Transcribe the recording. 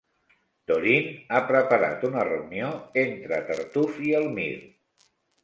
Dorine ha preparat una reunió entre Tartuffe i Elmire.